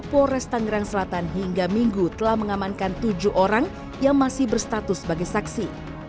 polres tangerang selatan hingga minggu telah mengamankan tujuh orang yang masih berstatus sebagai saksi